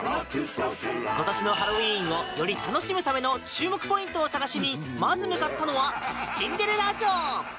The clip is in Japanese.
今年のハロウィーンをより楽しむための注目ポイントを探しにまず向かったのはシンデレラ城。